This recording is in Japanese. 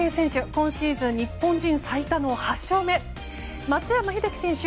今シーズン日本人最多の８勝目松山英樹選手